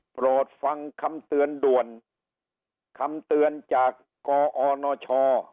โปรดฟังคำเตือนด่วนคำเตือนจากกอนช